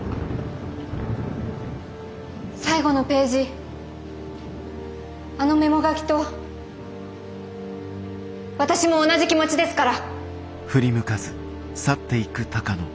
最後のページあのメモ書きと私も同じ気持ちですから。